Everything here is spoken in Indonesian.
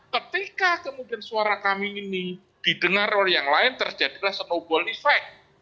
ketika kemudian suara kami ini didengar oleh yang lain terjadilah snowball effect